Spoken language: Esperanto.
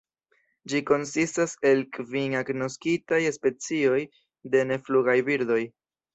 Ĝi konsistas el kvin agnoskitaj specioj de neflugaj birdoj.